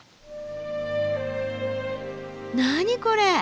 何これ！